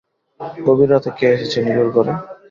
গভীর রাতে কে এসেছে নীলুর ঘরে?